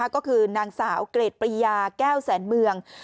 ก็คือนางสาวเกรดปริยาแก้วแสนเมือง